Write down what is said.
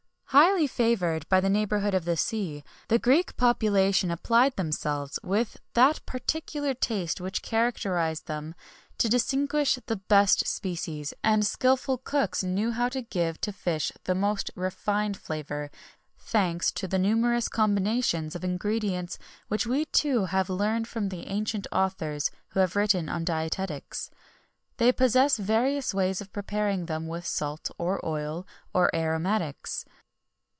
[XXI 10] Highly favoured by the neighbourhood of the sea, the Greek population applied themselves, with that peculiar taste which characterized them, to distinguish the best species; and skilful cooks knew how to give to fish the most refined flavour, thanks to the numerous combinations of ingredients which we too have learned from the ancient authors who have written on dietetics. They possessed various ways of preparing them with salt or oil, and aromatics.